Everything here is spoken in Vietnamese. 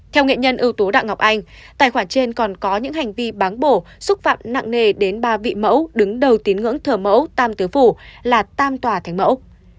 theo nghệ nhân ưu tú đặng ngọc anh tài khoản trên còn có những hành vi báng bổ xúc phạm nặng nề đến ba vị mẫu đứng đầu tín ngưỡng thờ mẫu tam tứ phủ là tam tòa thánh mẫu